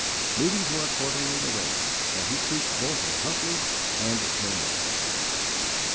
Meetings were accordingly arranged and he preached both at Huntly and at Teignmouth.